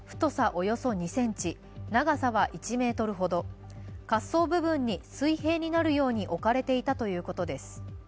およそ２ｃｍ、長さは１ｍほど、滑走部分に水平になるように置かれていたということです。